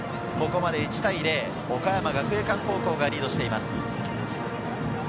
１対０、岡山学芸館高校がリードしています。